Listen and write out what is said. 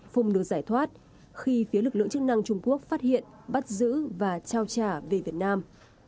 phùng được giải thoát khi phía lực lượng chức năng trung quốc phát hiện bắt giữ và trao trả về việt nam